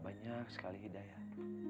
banyak sekali hidayah